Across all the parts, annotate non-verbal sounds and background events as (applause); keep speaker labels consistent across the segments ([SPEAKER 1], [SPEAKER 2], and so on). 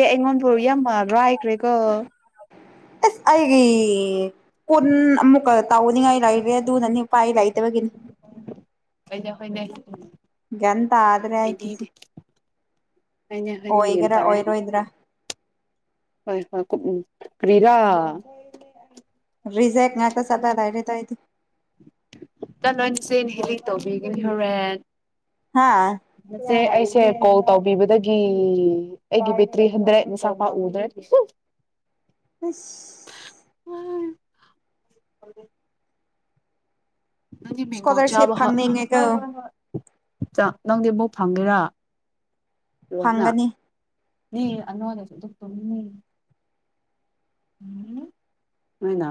[SPEAKER 1] ꯑꯦ ꯑꯩꯉꯣꯟꯕꯨ ꯌꯥꯝ (unintelligible) ꯍꯥꯏꯈ꯭ꯔꯦꯀꯣ
[SPEAKER 2] ꯑꯁ ꯑꯩꯒꯤ ꯀꯨꯟ ꯑꯃꯨꯛ ꯇꯧꯅꯤꯡꯉꯥꯏ ꯂꯩꯔꯦ ꯑꯗꯨꯅꯅꯤ ꯎꯄꯥꯥꯏ ꯂꯩꯇꯕꯒꯤꯅꯤ
[SPEAKER 1] ꯍꯅꯦ ꯍꯣꯏꯅꯦ
[SPEAKER 2] ꯒꯗ꯭ꯔꯦ ꯍꯥꯏ ꯀꯁꯤ
[SPEAKER 1] ꯍꯩꯅꯗꯦ ꯍꯣꯏꯅꯦ ꯍꯣꯏꯅꯦ ꯒ꯭ꯌꯥꯟ
[SPEAKER 2] ꯑꯣꯏꯒꯦꯔꯥ
[SPEAKER 1] ꯇꯥꯏꯌꯦ
[SPEAKER 2] ꯑꯣꯏꯔꯣꯏꯗ꯭ꯔꯥ
[SPEAKER 1] ꯍꯣꯏ ꯍꯣꯏ ꯎ ꯀꯔꯤꯔꯥ
[SPEAKER 2] ꯔꯤꯖꯦꯛ ꯉꯥꯛ ꯁꯂꯗꯥꯏꯔꯤ ꯇꯥꯏꯇ
[SPEAKER 1] ꯅ ꯅꯣꯏꯅꯆꯦꯅ ꯍꯦꯜꯂꯤ ꯇꯧꯕꯤꯒꯅꯤ ꯍꯣꯔꯦꯟ
[SPEAKER 2] ꯍꯥꯥ
[SPEAKER 1] ꯁꯦ ꯑꯩꯁꯦ ꯀꯣꯜ ꯇꯧꯕꯤꯕꯗꯒꯤ ꯑꯩꯒꯤ ꯕꯦꯇ꯭ꯔꯤ ꯍꯟꯗ꯭ꯔꯦꯠ ꯃꯤꯁꯥ ꯄꯥꯛ ꯎꯗ꯭ꯔꯦ
[SPEAKER 2] ꯍꯁ
[SPEAKER 1] ꯎꯝ ꯅꯅꯤꯃꯤ
[SPEAKER 2] ꯏꯁꯀꯣꯂꯔꯁꯤꯞ
[SPEAKER 1] ꯣꯆꯥꯔꯕ
[SPEAKER 2] ꯐꯪꯅꯤꯡꯉꯦꯀꯣ
[SPEAKER 1] ꯆ ꯅꯪꯗꯤ ꯑꯃꯛ ꯐꯪꯒꯦꯔꯥ
[SPEAKER 2] ꯐꯪꯒꯅꯤ
[SPEAKER 1] ꯅ ꯑꯅꯣꯗꯁꯦ ꯆ ꯇ ꯎꯣꯏꯅ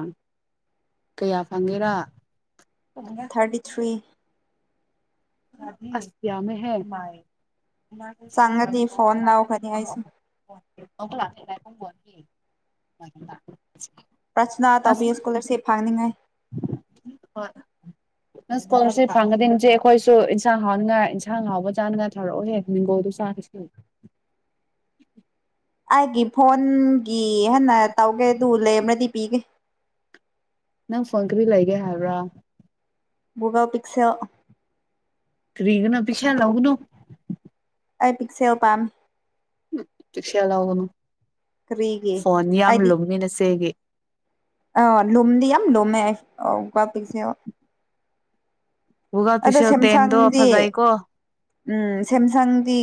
[SPEAKER 1] ꯀꯌꯥ ꯐꯪꯒꯦꯔꯥ
[SPEAKER 2] ꯊꯥꯔꯇꯤ ꯊ꯭ꯔꯤ
[SPEAKER 1] ꯌꯥ ꯑꯃ ꯍ (unintelligible)
[SPEAKER 2] ꯆꯪꯉꯗꯤ ꯐꯣꯟ ꯂꯧꯈ꯭ꯔꯅꯤ ꯑꯩꯁꯨ
[SPEAKER 1] ꯅꯤ ꯃ
[SPEAKER 2] ꯄ꯭ꯔꯁꯅꯥ ꯇꯧꯕꯤꯌꯨ ꯏꯁꯀꯣꯂꯔꯁꯤꯞ ꯐꯥꯡꯅꯤꯡꯉꯥꯏ
[SPEAKER 1] ꯅꯪ ꯁ꯭ꯀꯨꯜꯁꯤ ꯐꯪꯒꯅꯤꯖꯤ ꯑꯩꯈꯣꯏꯁꯨ ꯏꯟꯁꯥꯡ ꯍꯥꯎꯅꯤꯉ ꯏꯟꯁꯥꯡ ꯍꯥꯎꯕ ꯆꯥꯅꯉ ꯊꯧꯔꯛꯑꯣꯍꯦ ꯍꯅꯤꯒꯣꯜꯗꯨ ꯆꯥꯈꯤ
[SPEAKER 2] ꯑꯩꯒꯤ ꯐꯣꯟ ꯒꯤ ꯍꯟꯅ ꯇꯧꯒꯦꯗꯨ ꯂꯩ ꯑꯃꯥꯗꯤ ꯄꯤ
[SPEAKER 1] ꯐꯪꯒꯔꯤ ꯂꯩꯒꯦ ꯍꯥꯏꯕ꯭ꯔꯥ
[SPEAKER 2] ꯒꯨꯨꯒꯥꯜ ꯄꯤꯛꯁꯦꯜ
[SPEAKER 1] ꯐꯔꯤꯒꯅꯣ ꯄꯤꯀꯁꯦꯜ ꯂꯧꯎꯒꯅꯣ
[SPEAKER 2] ꯑꯩ ꯄꯤꯛꯁꯦꯜ ꯄꯝ
[SPEAKER 1] ꯎ ꯄꯤꯛꯁꯦꯜ ꯂꯥꯎꯅꯣ
[SPEAKER 2] ꯀꯔꯤꯒꯤ
[SPEAKER 1] ꯐꯣꯟ ꯌꯥꯝ ꯂꯨꯃꯤꯅꯁꯦꯒꯤ
[SPEAKER 2] ꯂꯣꯝꯗꯤ ꯌꯥꯝ ꯂꯣꯃꯦ ꯄꯤꯁꯦ
[SPEAKER 1] ꯒꯨꯒꯜ ꯄꯤꯁꯦꯜ ꯇꯦꯟꯗꯣ
[SPEAKER 2] ꯁꯦꯝꯁꯪꯗꯤ
[SPEAKER 1] ꯐꯖꯥꯏ ꯀꯣ
[SPEAKER 2] ꯎꯝ ꯁꯦꯝꯁꯪꯗꯤ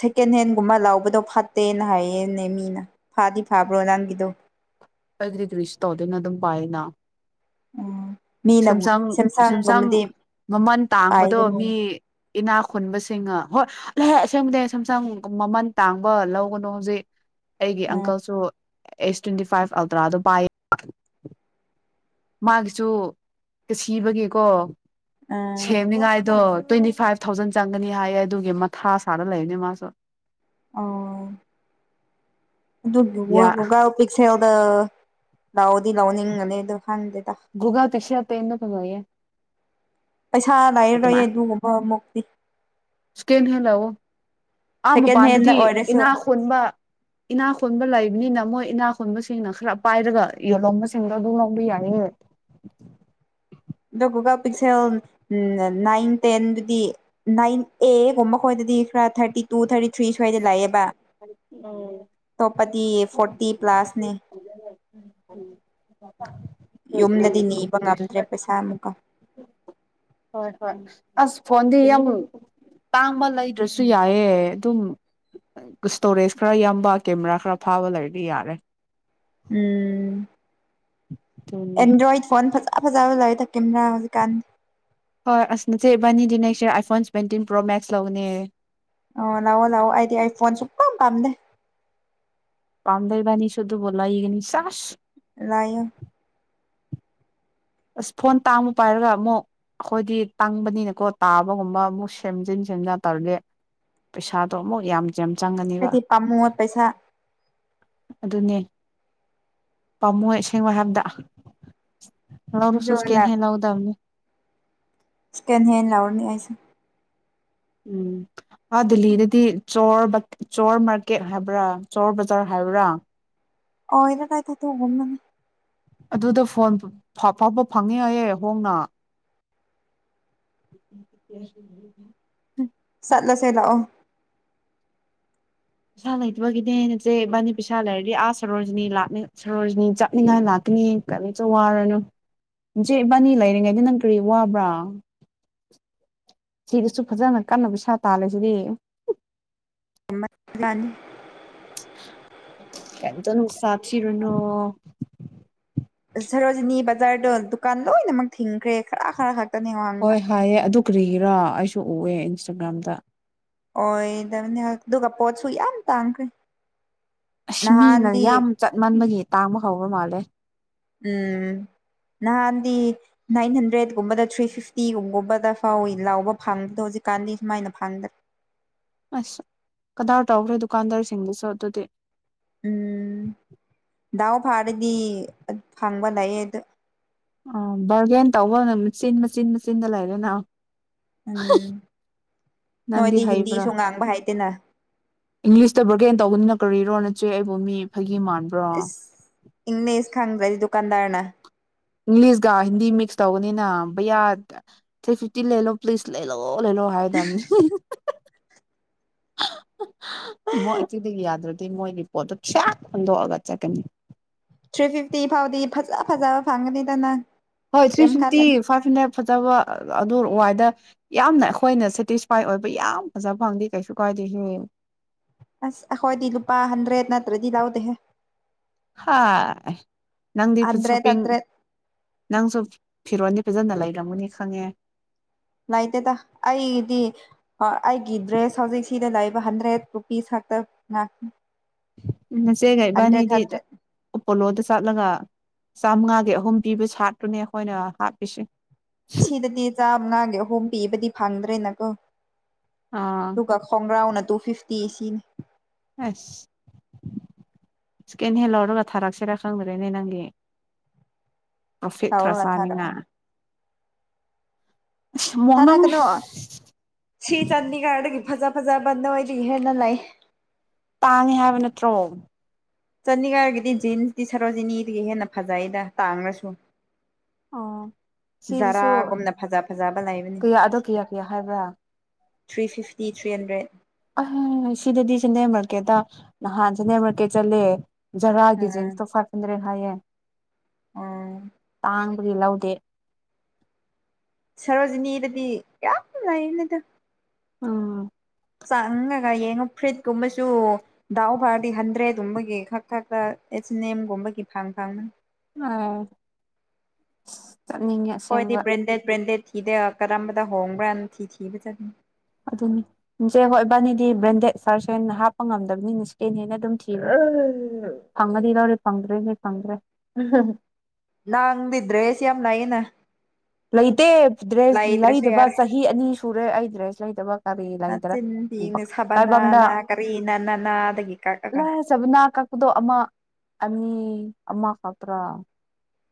[SPEAKER 2] ꯁꯦꯀꯦꯟ ꯍꯦꯟꯒꯨꯝꯕ ꯂꯕꯗꯣ ꯐꯠꯇꯦꯅ ꯍꯥꯏꯌꯦꯅꯦ ꯃꯤꯅ ꯐꯥꯗꯤ ꯐꯥꯕ꯭ꯔꯣ ꯅꯪꯒꯤꯗꯣ
[SPEAKER 1] ꯑꯦꯒ꯭ꯔꯤꯒ꯭ꯔꯤꯁ ꯇꯧꯗꯨꯅ ꯑꯗꯨꯝ ꯄꯥꯏꯌꯦꯅ
[SPEAKER 2] ꯎꯝ ꯃꯤꯅꯕꯨ
[SPEAKER 1] ꯁꯦꯝꯁꯪ ꯁꯦꯝꯁꯪ
[SPEAKER 2] ꯁꯦꯝꯁꯪꯒꯨꯝꯕꯗꯤ
[SPEAKER 1] ꯃꯃꯜ ꯇꯥꯡꯕꯗꯣ
[SPEAKER 2] ꯄꯥꯏꯒꯅꯨ
[SPEAKER 1] ꯃꯤ ꯏꯅꯥꯛ ꯈꯨꯟꯕꯁꯤꯡꯒ ꯍꯣꯏ ꯑꯁꯦꯡꯕꯗꯤ ꯁꯝ ꯁꯝ ꯃꯃꯟ ꯇꯥꯡꯕ ꯂꯧꯒꯅꯨ ꯍꯧꯖꯤꯛ ꯑꯩꯒꯤ
[SPEAKER 2] ꯎꯝ
[SPEAKER 1] ꯑꯪꯀꯜꯁꯨ ꯑꯦꯁ ꯇ꯭ꯋꯦꯟꯇꯤ ꯐꯥꯏꯚ ꯑꯜꯇ꯭ꯔꯥꯗꯣ ꯄꯥꯏꯌꯦ ꯃꯥꯒꯤꯁꯨ ꯁꯤꯕꯒꯤꯀꯣ
[SPEAKER 2] ꯎꯝ
[SPEAKER 1] ꯁꯦꯃꯤꯒꯥꯏꯗꯣ ꯇ꯭ꯋꯦꯟꯇꯤ ꯐꯥꯏꯚ ꯊꯥꯎꯖꯟ ꯆꯪꯒꯅꯤ ꯍꯥꯏꯌꯦ ꯑꯗꯨꯒꯤ ꯃꯊꯥ ꯁꯥꯗ ꯂꯩꯕꯅꯤ ꯃꯥꯁꯨ
[SPEAKER 2] ꯑꯣ
[SPEAKER 1] ꯌꯥ
[SPEAKER 2] ꯑꯗꯨꯒ ꯄꯤꯁ ꯌꯥꯎꯗ ꯂꯥꯎꯗꯤ ꯂꯧꯅꯤꯡꯒꯅꯤ ꯑꯗꯨ ꯍꯪꯗꯦ
[SPEAKER 1] ꯒꯨꯒꯥꯜ ꯄꯤꯛꯁꯦꯜ ꯇꯦꯟꯅꯗꯨ ꯐꯖꯩꯌꯦ
[SPEAKER 2] ꯄꯩꯁꯥ ꯂꯥꯏꯔꯔꯣꯏ ꯑꯗꯨꯒꯨꯝꯕ ꯃꯨꯛꯇꯤ
[SPEAKER 1] ꯁꯀꯦꯟ ꯍꯂꯑꯣ ꯑꯥ
[SPEAKER 2] ꯁꯦꯀꯦꯟ ꯍꯦꯟꯗ
[SPEAKER 1] ꯃꯄꯥꯟꯗꯗꯤ
[SPEAKER 2] ꯑꯣꯏꯔꯁꯨ
[SPEAKER 1] ꯏꯅꯥ ꯈꯣꯟꯕ ꯏꯅꯥ ꯈꯣꯟꯕ ꯂꯥꯏꯛ ꯅꯤꯅ ꯃꯣꯏ ꯏꯅꯥ ꯈꯨꯟꯕꯁꯤꯡꯅ ꯈꯔ ꯄꯥꯏꯔꯒ ꯌꯦꯜꯂꯣꯝꯕꯁꯤꯡꯗꯣ ꯑꯗꯨꯝ ꯂꯧꯕ ꯌꯥꯏꯌꯦ
[SPEAKER 2] ꯑꯗ ꯒꯨꯒꯜ ꯄꯤꯛꯁꯦꯜ ꯅꯥꯏꯟ ꯇꯦꯟꯗꯨꯗꯤ ꯅꯥꯏꯟ ꯑꯦꯒꯨꯝꯕ ꯈꯣꯏꯗꯗꯤ ꯈꯔ ꯊꯥꯔꯇꯤ ꯇꯨ ꯊꯥꯔꯇꯤ ꯊ꯭ꯔꯤ ꯁ꯭ꯋꯥꯏꯗ ꯂꯥꯛꯑꯦꯕ ꯑꯇꯣꯞꯄꯗꯤ ꯐꯣꯔꯇꯤ ꯄ꯭ꯂꯥꯁꯅꯤ ꯌꯨꯝꯗꯗꯤ ꯅꯤꯕ ꯉꯝꯗ꯭ꯔꯦ ꯄꯩꯁꯥ ꯑꯃꯨꯛꯀ
[SPEAKER 1] ꯍꯣꯏ ꯍꯣꯏ ꯑꯁ ꯐꯣꯟꯗꯤ ꯌꯥꯝ ꯇꯥꯡꯕ ꯂꯩꯗ꯭ꯔꯁꯨ ꯌꯥꯏꯑꯦ ꯑꯗꯨꯝ ꯏꯁꯇꯣꯔꯦꯖ ꯈꯔ ꯌꯥꯝꯕ ꯀꯦꯃꯦꯔꯥ ꯈꯔ ꯐꯥꯕ ꯂꯩꯔꯗꯤ ꯌꯥꯔꯦ
[SPEAKER 2] ꯎꯝ
[SPEAKER 1] ꯑꯗꯨꯅꯦ
[SPEAKER 2] ꯑꯦꯟꯗ꯭ꯔꯣꯏꯠ ꯐꯣꯟ ꯐ ꯥ ꯐꯖꯥ ꯐꯖꯕ ꯂꯩ ꯑꯥ ꯍꯧꯖꯤꯛ ꯀꯥꯟ
[SPEAKER 1] ꯍꯣꯏ ꯑꯁ ꯅꯆꯦ ꯏꯕꯥꯅꯤꯗꯤ ꯅꯦꯛꯁꯦ ꯑꯥꯏꯐꯣꯟ ꯁꯚꯦꯟꯇꯤꯟ ꯄ꯭ꯔꯣ ꯃꯦꯛꯁ ꯂꯧꯅꯦ
[SPEAKER 2] ꯑꯣ ꯂꯥꯛꯑꯣ ꯂꯥꯛꯑꯣ ꯑꯩꯗꯤ ꯑꯥꯏꯐꯣꯟ ꯁꯄꯝ ꯄꯥꯝꯗꯦ
[SPEAKER 1] ꯄꯝꯗꯩꯕꯅꯤ ꯁꯨꯗꯨ ꯂꯩꯏꯒꯅꯤ ꯆꯁ
[SPEAKER 2] ꯂꯥꯏꯌꯣ
[SPEAKER 1] ꯑꯁ ꯐꯣꯟ ꯇꯥꯡꯕ ꯄꯥꯏꯔꯒ ꯑꯃꯨꯛ ꯑꯩꯈꯣꯏꯗꯤ ꯇꯪꯕꯅꯤꯅꯀꯣ ꯇꯥꯕꯒꯨꯝꯕ ꯑꯃꯨꯛ ꯁꯦꯝꯖꯤꯟ ꯁꯦꯝꯖꯤꯟ ꯇꯧꯔꯒꯦ ꯄꯩꯁꯥꯗꯣ ꯑꯃꯨꯛ ꯌꯥꯝ ꯌꯥꯝ ꯆꯪꯒꯅꯤꯕ
[SPEAKER 2] ꯍꯥꯏꯗꯤ ꯄꯥꯝꯃꯨꯕ ꯄꯩꯁꯥ
[SPEAKER 1] ꯑꯗꯨꯅꯦ ꯄꯥꯝꯃꯣꯏ ꯑꯁꯦꯡꯕ ꯍꯥꯏꯕꯗ ꯂꯧꯔꯁꯨ ꯁꯦꯀꯦꯟ ꯍꯦꯟ ꯂꯧꯒꯗꯕꯅꯤ
[SPEAKER 2] (unintelligible) ꯁꯦꯀꯦꯟ ꯍꯦꯟ ꯂꯧꯅꯤ ꯍꯥꯏꯁꯤ
[SPEAKER 1] ꯎꯝ ꯑ ꯗꯦꯂꯤꯗꯗꯤ ꯆꯣꯔ ꯃꯥꯔꯀꯦꯠ ꯍꯥꯏꯕ꯭ꯔꯥ ꯆꯣꯔ ꯕꯖꯥꯔ ꯍꯥꯏꯕ꯭ꯔꯥ
[SPEAKER 2] (unintelligible)
[SPEAKER 1] ꯑꯗꯨꯗ ꯐꯣꯟ ꯐꯥꯎꯕ ꯐꯪꯉꯦ ꯍꯥꯏꯌꯦ ꯍꯣꯡꯅ
[SPEAKER 2] ꯆꯠꯂꯁꯦ ꯂꯥꯛꯑꯣ
[SPEAKER 1] ꯄꯩꯁꯥ ꯂꯩꯇꯕꯒꯤꯅꯦ ꯅꯆꯦ ꯏꯕꯥꯅꯤ ꯄꯩꯁꯥ ꯂꯩꯔꯗꯤ ꯑꯥ ꯁꯔꯣꯖꯤꯅꯤ ꯂꯥꯛ ꯁꯔꯣꯖꯤꯅꯤ ꯆꯠꯅꯤꯡꯉꯥꯏ ꯂꯥꯛꯀꯅꯤ ꯀꯔꯤꯝꯇ ꯋꯥꯔꯅꯨ ꯏꯆꯦ ꯏꯕꯥꯅꯤ ꯂꯩꯔꯤꯉꯩꯗ ꯅꯪ ꯀꯔꯤ ꯋꯥꯕ꯭ꯔꯥ ꯁꯤꯗꯁꯨ ꯐꯖꯅ ꯀꯟꯅ ꯄꯩꯁꯥ ꯇꯥꯜꯂ ꯁꯤꯗꯤ
[SPEAKER 2] (unintelligible)
[SPEAKER 1] ꯀꯇ ꯅꯅꯨꯡꯁꯁꯤꯔꯅꯣ
[SPEAKER 2] ꯁꯔꯣꯖꯤꯅꯤ ꯕꯖꯥꯔꯗꯣ ꯗꯨꯀꯥꯟ ꯂꯣꯏꯅꯃꯛ ꯊꯤꯡꯈ꯭ꯔꯦ ꯈꯔ ꯈꯛ
[SPEAKER 1] ꯍꯣꯏ ꯍꯥꯏꯑ ꯑꯗꯨ ꯀ꯭ꯔꯤꯒꯤꯔꯥ ꯑꯩꯁꯨ ꯎꯋꯦ ꯏꯟꯁꯇꯥꯒ꯭ꯔꯥꯝꯗ
[SPEAKER 2] ꯑꯣꯏꯗꯕꯅꯤ ꯑꯗꯨꯒ ꯄꯣꯠꯁꯨ ꯌꯥꯝ ꯇꯥꯡꯈ꯭ꯔꯦ
[SPEAKER 1] ꯑꯁ ꯃꯤꯅ
[SPEAKER 2] ꯅꯍꯥꯟꯗꯤ
[SPEAKER 1] ꯌꯥꯝ ꯆꯠ ꯃꯥꯟꯕꯒꯤ ꯇꯥꯡꯕ ꯍꯥꯎꯕ ꯃꯥꯂꯦ
[SPEAKER 2] ꯎꯝ ꯅꯍꯥꯟꯗꯤ ꯅꯥꯏꯟ ꯍꯟꯗ꯭ꯔꯦꯗꯀꯨꯝꯕꯗ ꯊ꯭ꯔꯤ ꯐꯤꯐꯇꯤꯒꯨꯝꯒꯨꯝꯕꯗ ꯐꯥꯎꯋꯤ ꯂꯥꯎꯕ ꯐꯪꯕꯗꯣ ꯍꯧꯖꯤꯛꯀꯥꯟꯗꯤ ꯁꯨꯃꯥꯏꯅ ꯐꯪꯗ꯭ꯔꯦ
[SPEAKER 1] ꯀꯗꯔ ꯇꯧꯈ꯭ꯔꯦ ꯗꯨꯀꯥꯟꯗꯥꯔꯁꯤꯡꯗꯨꯁꯨ ꯑꯗꯨꯗꯤ
[SPEAKER 2] ꯎꯝ ꯗꯥꯎ ꯐꯥꯔꯗꯤ ꯐꯪꯕ ꯂꯩꯌꯦꯗ
[SPEAKER 1] ꯑ ꯕꯥꯔꯒꯦꯟ ꯇꯧꯕꯅ ꯃꯆꯤꯟ ꯃꯆꯤꯟ ꯃꯆꯤꯟꯗ ꯂꯩꯔꯦꯅ
[SPEAKER 2] ꯎꯝ
[SPEAKER 1] ꯅꯪꯗꯤ
[SPEAKER 2] ꯅꯣꯏꯗꯤ
[SPEAKER 1] ꯍꯩꯕ꯭ꯔꯥ
[SPEAKER 2] ꯍꯤꯟꯗꯤꯁꯨ ꯉꯥꯡꯕ ꯍꯩ ꯏꯟꯅ
[SPEAKER 1] ꯏꯪꯂꯤꯁꯇ ꯕꯔꯒꯦꯟ ꯇꯧꯕꯅꯤꯅ ꯀꯔꯤꯔꯣ ꯅꯆꯦ ꯑꯩꯕꯨ ꯃꯤ ꯐ
[SPEAKER 2] ꯑꯦꯁ ꯏꯪꯂꯤꯁ ꯈꯥꯡꯗ꯭ꯔꯗꯤ ꯗꯨꯀꯥꯟꯗꯥꯔꯅ
[SPEAKER 1] ꯏꯪꯂꯤꯁꯀ ꯍꯤꯟꯗꯤ ꯃꯤꯛꯁ ꯇꯧꯕꯅꯤꯅ ꯕꯌꯥ ꯊ꯭ꯔꯤ ꯐꯤꯐꯇꯤ ꯂꯦꯂꯣ ꯄ꯭ꯂꯤꯁ ꯂꯦꯂꯣ ꯂꯂꯣ ꯍꯥꯏ ꯇꯕꯅꯤ (inaudible) ꯃꯣꯏ ꯆꯗꯒꯤ ꯌꯥꯗ꯭ꯔ ꯗꯤ ꯃꯣꯏꯒꯤ ꯄꯣꯠꯇꯣ ꯆꯥꯛ ꯍꯨꯟꯗꯣꯛꯑꯒ ꯆꯠꯀꯅꯤ
[SPEAKER 2] ꯊ꯭ꯔꯤ ꯐꯤꯐꯇꯤ ꯐꯥꯎꯗꯤ ꯐꯖ ꯐꯖꯕ ꯐꯪꯒꯅꯤꯗ ꯅꯪ
[SPEAKER 1] ꯍꯣꯏ ꯊ꯭ꯔꯤ
[SPEAKER 2] ꯀꯩꯝ
[SPEAKER 1] ꯐꯤꯐꯇꯤ
[SPEAKER 2] ꯈꯜꯂꯅꯨ
[SPEAKER 1] ꯐꯥꯏꯚ ꯍꯟꯗ꯭ꯔꯦꯠ ꯐꯖꯕ ꯑꯗꯨꯔ ꯋꯥꯏꯗ ꯌꯥꯝꯅ ꯑꯩꯈꯣꯏꯅ ꯁꯦꯇꯤꯁꯐꯥꯏ ꯑꯣꯏꯕ ꯌꯥꯝ ꯐꯖꯕ ꯐꯪꯑꯗꯦ ꯀꯩꯁꯨ ꯀꯥꯏꯗꯦ (inaudible)
[SPEAKER 2] ꯑꯁ ꯑꯩꯈꯣꯏꯗꯤ ꯂꯨꯄꯥ ꯍꯟꯗ꯭ꯔꯦꯠ ꯅꯠ ꯇ꯭ꯔꯗꯤ ꯂꯥꯎꯗꯦꯍꯦ
[SPEAKER 1] ꯍ ꯅꯪꯗꯤ ꯐꯨꯗ ꯁꯣꯄꯤꯡ
[SPEAKER 2] ꯍꯟꯗ꯭ꯔꯦꯠ
[SPEAKER 1] ꯅꯪ ꯁꯣ ꯐꯤꯔꯣꯟꯗꯤ ꯐꯖꯅ ꯂꯩꯔꯝꯒꯅꯤ ꯈꯪꯉꯦ
[SPEAKER 2] ꯂꯩꯇꯦꯗ ꯑꯩꯗꯤ-ꯑꯥ ꯑꯩꯒꯤ ꯗ꯭ꯔꯦꯁ ꯍꯧꯖꯤꯛ ꯁꯤꯗ ꯂꯩꯕ ꯍꯟꯗ꯭ꯔꯦꯠ ꯔꯨꯄꯤꯖ ꯈꯛꯇ ꯉꯥꯛꯇꯅꯤ
[SPEAKER 1] ꯎꯝ ꯆꯦꯒꯥ ꯏꯕꯅꯤꯗꯤ ꯎꯝ ꯄꯣꯂꯣꯗ ꯆꯠꯂꯒ ꯆꯥꯝꯃꯉꯥꯒꯤ ꯑꯍꯨꯝ ꯄꯤꯕ ꯁꯥꯔꯥꯠꯇꯨꯅꯦ ꯑꯩꯈꯣꯏꯅ ꯍꯥꯞꯄꯤꯁꯦ
[SPEAKER 2] ꯁꯤꯗꯗꯤ ꯆꯥꯃꯉꯥꯒꯤ ꯑꯍꯨꯝ ꯄꯤꯕꯗꯤ ꯐꯪꯗ꯭ꯔꯦꯅꯀꯣ
[SPEAKER 1] ꯑꯥ
[SPEAKER 2] ꯇꯨꯒ ꯈꯣꯡꯒ꯭ꯔꯥꯎꯅ ꯇꯣ ꯐꯤꯞꯇꯤ ꯁꯤꯅꯤ
[SPEAKER 1] ꯑꯁ ꯏꯁꯀꯤꯟ ꯍꯦꯜꯂꯣꯔꯒ ꯊꯥꯔꯛꯁꯤꯔꯥ ꯈꯪꯗ꯭ꯔꯦꯅꯦ ꯅꯪꯒꯤ ꯔꯣꯐꯤꯠ
[SPEAKER 2] ꯇꯧꯔꯒ
[SPEAKER 1] ꯊ꯭ꯔꯥꯆꯥꯅꯤꯅ
[SPEAKER 2] ꯊꯥꯔꯛꯑꯣ
[SPEAKER 1] ꯏꯁ ꯃꯣꯡ ꯅꯪꯅꯦ
[SPEAKER 2] ꯊꯥꯔꯛꯀꯅꯨ ꯁꯤ ꯆꯥꯟꯗꯤꯒꯔꯗꯒꯤ ꯐꯖ-ꯐꯖꯔꯕ ꯅꯣꯏꯗꯒꯤ ꯍꯦꯟꯅ ꯂꯩ
[SPEAKER 1] ꯇꯥꯡꯉꯦ ꯍꯥꯏꯕ ꯅꯠꯇ꯭ꯔꯣ
[SPEAKER 2] ꯆꯅꯤ ꯉꯥꯏꯔꯒꯤꯗꯤ ꯖꯤꯟ ꯇꯤ ꯁꯥꯔꯠ ꯑꯣꯏꯔꯗꯤ ꯅꯤꯗꯒꯤ ꯍꯦꯟꯅ ꯐꯖꯩꯗ ꯇꯥꯡꯒꯉꯔꯥꯁꯨ
[SPEAKER 1] ꯑꯣ ꯁꯤꯗꯁꯨ
[SPEAKER 2] ꯐꯖ ꯐꯖꯕ ꯂꯩꯕꯅꯤ
[SPEAKER 1] ꯀꯌꯥ ꯑꯗꯣ ꯀꯌꯥ-ꯀꯌꯥ ꯍꯥꯏꯕ꯭ꯔꯥ
[SPEAKER 2] ꯊ꯭ꯔꯤ ꯐꯤꯞꯇꯤ ꯊ꯭ꯔꯤ ꯍꯟꯗ꯭ꯔꯦꯠ
[SPEAKER 1] ꯑꯍꯤꯡ ꯑꯁꯤꯗꯗꯤ ꯆꯦꯟꯗꯔ꯭ꯦꯟ ꯃꯥꯔꯀꯦꯠꯇ ꯅꯍꯥꯟ ꯆꯤꯟꯗ꯭ꯔꯦꯟ ꯃꯥꯔꯀꯦꯠ ꯆꯠꯂꯦ
[SPEAKER 2] ꯎꯝ
[SPEAKER 1] ꯖꯔꯒꯤꯖꯤꯟꯗꯣ ꯐꯥꯏꯞ ꯍꯟꯗ꯭ꯔꯦꯠ ꯍꯥꯏꯌꯦ
[SPEAKER 2] ꯎꯝ
[SPEAKER 1] ꯇꯥꯡ ꯂꯧꯗꯦ
[SPEAKER 2] ꯁꯔꯣꯖꯤꯅꯤꯗꯗꯤ ꯌꯥꯝ ꯂꯩꯥꯌꯦꯗ
[SPEAKER 1] ꯎꯝ
[SPEAKER 2] ꯆꯪꯉꯥꯒ ꯌꯦꯡꯉꯨ ꯐꯤꯔꯤꯠ ꯀꯨꯝꯕꯁꯨ ꯗꯥꯎ ꯐꯥꯔꯥꯗꯤ ꯍꯟꯗ꯭ꯔꯦꯠ ꯀꯨꯝꯕꯒꯤ ꯈꯛ ꯊꯛꯇ ꯑꯦꯁ ꯅꯦꯝ ꯒꯨꯝꯕꯒꯤ ꯐꯪꯐꯝ
[SPEAKER 1] ꯑꯣ
[SPEAKER 2] ꯍꯣꯏꯗꯤ ꯕ꯭ꯔꯦꯟꯗꯦꯠ -ꯕ꯭ꯔꯦꯟꯗꯦꯠ ꯐꯤꯗ ꯀꯔꯝꯕꯗ ꯍꯣꯡꯕ꯭ꯔꯥꯅ ꯊꯤ-ꯊꯤꯕ ꯆꯠꯅꯤ
[SPEAKER 1] ꯑꯗꯨꯅꯤ ꯖꯦ ꯒꯣꯏ ꯏꯕꯥꯅꯤꯗꯤ ꯕ꯭ꯔꯦꯟꯗꯦꯠ ꯐꯥꯔ꯭ꯆ ꯍꯦꯟ ꯍꯥꯞꯄ ꯉꯝꯗꯕꯅꯤꯅꯦ ꯁꯦꯀꯦꯟ ꯍꯦꯟꯅ ꯑꯗꯨꯝ ꯊꯤꯔꯒ ꯐꯪꯉꯗꯤ ꯂꯧꯔꯦ ꯐꯪꯗ꯭ꯔꯥꯗꯤ ꯐꯪꯗ꯭ꯔꯦ ꯑꯍꯥ-ꯍ
[SPEAKER 2] ꯅꯪꯗꯤ ꯗ꯭ꯔꯦꯖ ꯌꯥꯝꯅ ꯂꯩꯌꯦꯅ
[SPEAKER 1] ꯂꯩꯇꯦ ꯗ꯭ꯔꯦꯁ
[SPEAKER 2] ꯂꯩꯇ꯭ꯔꯁꯨ
[SPEAKER 1] ꯂꯩꯗꯕ
[SPEAKER 2] ꯌꯥꯔꯦ
[SPEAKER 1] ꯆꯍꯤ ꯑꯅꯤ ꯁꯨꯔꯦ ꯑꯩ ꯗ꯭ꯔꯦꯁ ꯂꯩꯗꯕ ꯀꯔꯤ
[SPEAKER 2] ꯅꯆꯤꯟ ꯊꯤꯒꯅꯨ
[SPEAKER 1] ꯂꯩꯗꯥꯔꯦꯕꯛ ꯀꯥꯏꯕꯝꯇ
[SPEAKER 2] ꯁꯕꯅꯥꯅ ꯀꯔꯤꯅ ꯅꯅꯥꯗꯒꯤ ꯀꯛꯑꯒ
[SPEAKER 1] ꯂꯥꯏꯔꯖꯕꯅ ꯀꯛ ꯑꯗꯣ ꯑꯃ ꯑꯅꯤ ꯑꯃ ꯈꯛꯇ꯭ꯔꯥ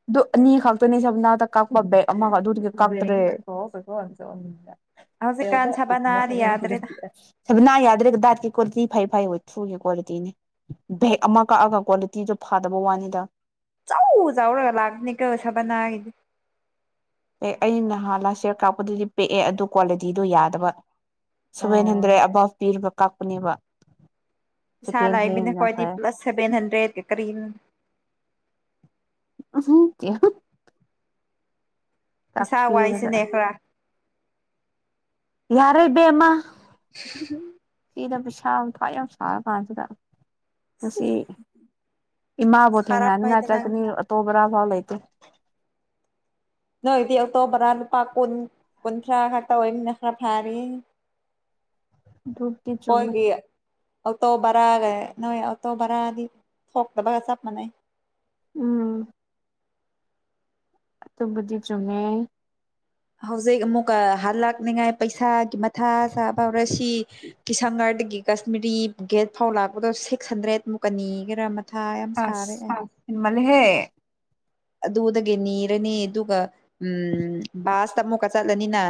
[SPEAKER 1] ꯑꯗꯨ ꯑꯅꯤ ꯈꯛꯇꯅꯤ ꯁꯚꯥꯅꯥꯗ ꯀꯛꯄ ꯕꯦꯛ ꯑꯃꯥ ꯑꯗꯨ ꯀꯥꯞꯇ꯭ꯔꯦ
[SPEAKER 2] ꯍꯧꯖꯤꯛꯀꯥꯟ ꯁꯕꯅꯥꯗꯤ ꯌꯥꯗ꯭ꯔꯦꯗ
[SPEAKER 1] (unintelligible) ꯅ ꯌꯥꯗ꯭ꯔꯦꯒ ꯗꯥꯇꯀꯤ ꯀꯣꯔꯁꯤ (unintelligible) ꯐꯩ-ꯐꯩ ꯍꯨꯏꯊꯨꯒꯤ ꯀ꯭ꯋꯥꯂꯤꯇꯤꯅꯤ ꯕꯦꯛ ꯑꯃ ꯀꯛꯑꯒ ꯀ꯭ꯋꯥꯂꯤꯇꯤꯗꯨ ꯐꯥꯗꯕ ꯋꯥꯅꯤꯗ
[SPEAKER 2] ꯆꯧꯎ ꯆꯧꯎꯔꯒ ꯂꯥꯛꯀꯅꯤꯀꯣ ꯁꯥꯚꯥꯅꯥꯒꯤꯗꯤ
[SPEAKER 1] ꯑꯦ ꯑꯩ ꯅꯍꯥꯟꯂꯥ ꯁꯦꯌꯔ ꯀꯥꯞꯄꯗꯨꯗꯤ ꯄꯦꯛꯑꯦ ꯑꯗꯨ ꯀ꯭ꯋꯥꯂꯤꯇꯤꯗꯣ ꯌꯥꯗꯕ
[SPEAKER 2] ꯑꯣ
[SPEAKER 1] ꯁꯨꯕꯦꯍꯟꯗ꯭ꯔꯦꯠ ꯑꯕ꯭ꯞ ꯄꯤꯔꯕ ꯇꯥꯛꯄꯅꯦꯕ
[SPEAKER 2] ꯄꯩꯁꯥ ꯂꯥꯛꯏꯕꯅ ꯈꯣꯏꯗꯤ ꯄ꯭ꯂꯁ ꯁꯚꯦꯟ ꯍꯟꯗ꯭ꯔꯦꯠ ꯀꯔꯤꯅꯣ ꯄꯩꯁꯥ
[SPEAKER 1] ꯀꯛꯄꯤꯔꯒ
[SPEAKER 2] ꯋꯥꯏꯁꯤꯅꯦ ꯈꯔ
[SPEAKER 1] ꯌꯥꯔꯦ ꯏꯕꯦꯝꯃ
[SPEAKER 2] (unintelligible)
[SPEAKER 1] ꯏꯗ ꯄꯤꯁꯥ ꯃꯊ ꯌꯥꯝ ꯁꯥꯀꯥꯟꯁꯤꯗ ꯉꯁꯤ ꯏꯃꯥꯕꯨ ꯊꯦꯡꯅꯅꯤꯉꯥꯏ
[SPEAKER 2] ꯁꯥꯔꯝꯃꯣꯏꯗ
[SPEAKER 1] ꯆꯠꯀꯅꯤ
[SPEAKER 2] ꯅꯪꯗꯤ
[SPEAKER 1] ꯑꯣꯇꯣ ꯄꯔꯥ ꯐꯥꯎ ꯂꯩ (inaudible)
[SPEAKER 2] ꯅꯣꯏꯗꯤ ꯑꯇꯣ ꯕꯔꯥ ꯂꯨꯄꯥ ꯀꯨꯟ ꯀꯨꯟꯊ꯭ꯔꯥ ꯈꯛꯇ ꯑꯣꯏꯅꯤꯅ ꯈꯔ ꯐꯥꯔꯤ
[SPEAKER 1] ꯙꯨꯞꯇꯤ ꯆꯣꯝꯃꯦ
[SPEAKER 2] ꯑꯩꯈꯣꯏꯒꯤ ꯑꯣꯇꯣ ꯕꯔꯥꯒ ꯅꯣꯏ ꯑꯣꯇꯣ ꯕꯔꯥꯗꯤ ꯊꯣꯛꯇꯕꯒ ꯆꯞ ꯃꯥꯟꯅꯩ
[SPEAKER 1] ꯎꯝ ꯑꯗꯨꯕꯨꯗꯤ ꯆꯨꯝꯃꯦ
[SPEAKER 2] ꯍꯧꯖꯤꯛ ꯑꯃꯨꯛꯀ ꯍꯜ ꯂꯥꯛꯅꯤꯉꯥꯏ ꯄꯩꯁꯥꯒꯤ ꯃꯊꯥ ꯆꯥꯕ ꯍꯧꯔꯦ ꯁꯤ ꯀꯤꯁꯪꯒꯥꯔꯗꯒꯤ ꯀꯥꯁꯃꯤꯔꯤ ꯒꯦꯠ ꯐꯥꯎ ꯂꯥꯛꯄꯗꯣ ꯁꯤꯛꯁ ꯍꯟꯗ꯭ꯔꯦꯠ ꯃꯨꯛꯀ ꯅꯤꯒꯦꯔꯥ ꯃꯊꯥ ꯌꯥꯝ ꯁꯥꯔꯦ ꯑꯩ
[SPEAKER 1] ꯑꯁꯃꯜ ꯂꯤꯍꯦ
[SPEAKER 2] ꯑꯗꯨꯗꯒꯤ ꯅꯤꯔꯅꯤ ꯑꯗꯨꯒ ꯎꯝ ꯕꯥꯁꯇ ꯑꯃꯨꯛꯀ ꯆꯠꯂꯅꯤꯅ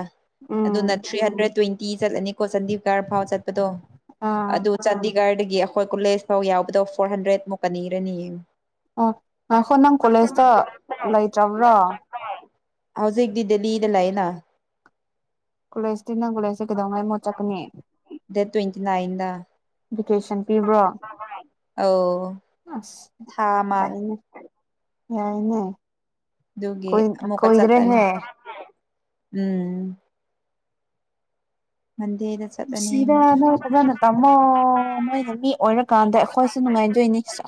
[SPEAKER 2] ꯑꯗꯨꯅ
[SPEAKER 1] ꯎꯝ
[SPEAKER 2] ꯊ꯭ꯔꯤ ꯍꯟꯗ꯭ꯔꯦꯠ ꯇꯨꯋꯦꯟ ꯀꯤ ꯆꯠꯂꯅꯤ ꯀꯣ ꯆꯥꯟꯗꯤꯒꯥꯔ ꯐꯥꯎ ꯆꯠꯄꯗꯣ
[SPEAKER 1] ꯑꯥ
[SPEAKER 2] ꯑꯗꯨ ꯆꯥꯟꯗꯤꯒꯔꯗꯒꯤ ꯒꯤ ꯑꯈꯣꯏ ꯀꯣꯂꯦꯖ ꯐꯥꯎ ꯌꯥꯎꯕꯗꯣ ꯐꯣꯔ ꯍꯟꯗ꯭ꯔꯦꯗꯃꯨꯛꯀꯟꯅꯤꯔꯅꯤ ꯌꯤꯡ
[SPEAKER 1] ꯑꯣ ꯉꯥꯈꯣ ꯅꯪ ꯀꯣꯂꯦꯖ ꯆꯥ. ꯂꯩꯇ꯭ꯔꯕ꯭ꯔꯥ
[SPEAKER 2] ꯅꯥ
[SPEAKER 1] ꯀꯣꯂꯦꯖꯇꯤ ꯅꯪ ꯀꯣꯂꯦꯖꯇ ꯀꯩꯗꯧꯉꯥꯏ ꯃꯣꯠ ꯆꯠꯀꯅꯤ
[SPEAKER 2] ꯗꯦꯠ ꯇ꯭ꯋꯦꯟꯇꯤ ꯅꯥꯏꯟꯗ
[SPEAKER 1] ꯚꯤꯀꯦꯁꯟ ꯄꯤꯕ꯭ꯔꯣ
[SPEAKER 2] ꯑꯧ
[SPEAKER 1] ꯑꯁ
[SPEAKER 2] ꯊꯥ ꯃ
[SPEAKER 1] ꯐꯩꯅꯦ ꯌꯥꯏꯅꯦ
[SPEAKER 2] ꯗꯨꯒꯤ
[SPEAKER 1] ꯀꯨꯏ
[SPEAKER 2] ꯑꯃꯣꯛꯀ ꯆꯠꯂꯅꯤ
[SPEAKER 1] ꯀꯨꯏꯗ꯭ꯔꯦꯍꯦ
[SPEAKER 2] ꯎꯝ ꯃꯟꯗꯦꯗ ꯆꯠꯂꯅꯤ
[SPEAKER 1] ꯄꯨꯟꯁꯤꯗ
[SPEAKER 2] ꯑꯃꯨꯛꯀ
[SPEAKER 1] ꯅꯣꯏ ꯐꯖꯅ ꯇꯝꯃꯣ ꯅꯣꯏꯅ ꯃꯤ ꯑꯣꯏꯔꯀꯥꯟꯗ ꯑꯈꯣꯏꯁꯨ ꯅꯨꯡꯉꯥꯏꯗꯣꯏꯅꯤ ꯁꯦꯁ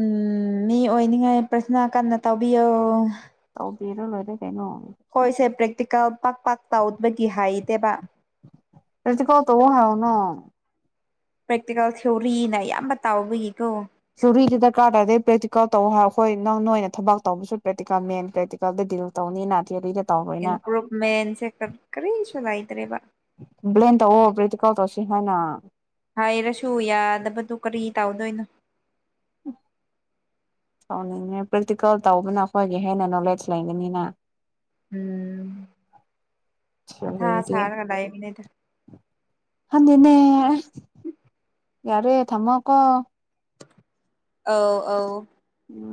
[SPEAKER 2] ꯎꯝ ꯃꯤ ꯑꯣꯏꯅꯤꯡꯉꯥꯏ ꯄ꯭ꯔꯊꯅ ꯀꯟꯅ ꯇꯧꯕꯤꯌꯣ
[SPEAKER 1] ꯇꯧꯕꯤꯔꯣ ꯂꯣꯏꯔꯦ ꯀꯩꯅꯣ
[SPEAKER 2] ꯈꯣꯏꯁꯦ ꯄ꯭ꯔꯦꯛꯇꯤꯀꯦꯜ ꯄꯥꯛ ꯄꯥꯛ ꯇꯥꯎꯠꯕꯒꯤ ꯍꯥꯏꯗꯦꯕ
[SPEAKER 1] ꯄꯔꯇꯤꯀꯣꯜ ꯇꯧꯑꯣ ꯍꯥꯏꯅ
[SPEAKER 2] ꯄ꯭ꯔꯦꯛꯇꯤꯀꯦꯜ ꯊꯤꯑꯣꯔꯤꯅ ꯑꯌꯥꯝꯕ ꯇꯥꯎꯕꯒꯤꯀꯣ
[SPEAKER 1] ꯎꯍꯤꯒꯤ ꯗꯔꯀꯥꯔ ꯇꯥꯗꯦ ꯄ꯭ꯔꯦꯛꯇꯤꯀꯜ ꯇꯧ ꯍꯥꯏ ꯑꯩꯈꯣꯏ ꯅꯪ ꯅꯣꯏ ꯊꯕꯛ ꯇꯧꯕꯁꯨ ꯄ꯭ꯔꯦꯛꯇꯤꯀꯦꯜ ꯃꯦꯟ ꯄ꯭ꯔꯦꯛꯇꯤꯀꯜꯗ ꯗꯤꯜ ꯇꯧꯅꯤꯅ ꯊꯤꯔꯤꯗ ꯇꯩꯅ
[SPEAKER 2] ꯏꯝꯄ꯭ꯔꯨꯚꯃꯦꯟꯁꯦ ꯀꯔꯤꯁꯨ ꯂꯩꯇ꯭ꯔꯦꯕ
[SPEAKER 1] ꯕꯂꯦꯝ ꯇꯧꯑꯣ ꯄ꯭ꯔꯤꯇꯤꯀꯜ ꯇꯧꯁꯤ ꯍꯥꯏꯅ
[SPEAKER 2] ꯍꯥꯏꯔꯁꯨ ꯌꯥꯗꯕꯗꯨ ꯀꯔꯤ ꯇꯧꯗꯣꯏꯅꯣ
[SPEAKER 1] ꯇꯧꯅꯤꯡꯉꯦ ꯄ꯭ꯔꯦꯛꯇꯤꯀꯦꯜ ꯇꯧꯕꯅ ꯑꯩꯈꯣꯏꯒꯤ ꯍꯦꯟꯅ ꯅꯣꯂꯦꯖ ꯂꯩꯒꯅꯤꯅ
[SPEAKER 2] ꯎꯝ ꯑ ꯊꯥ
[SPEAKER 1] ꯊꯤꯑꯣꯔꯤꯗꯤ
[SPEAKER 2] ꯁꯔ ꯉꯂꯅꯦꯗ
[SPEAKER 1] ꯑꯗꯨꯗꯅꯦ ꯌꯥꯔꯦ ꯊꯝꯃꯀꯣ
[SPEAKER 2] ꯑꯥꯎ ꯑꯥꯎ
[SPEAKER 1] ꯎꯝ